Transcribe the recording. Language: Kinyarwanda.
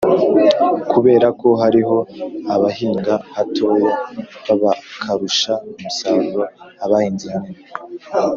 kubera ko hariho abahinga hatoya babakarusha umusaruro abahinze hanini.